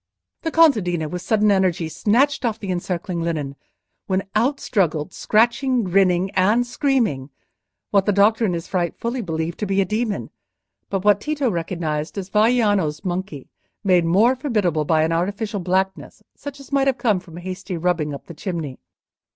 The contadina, with sudden energy, snatched off the encircling linen, when out struggled—scratching, grinning, and screaming—what the doctor in his fright fully believed to be a demon, but what Tito recognised as Vaiano's monkey, made more formidable by an artificial blackness, such as might have come from a hasty rubbing up the chimney.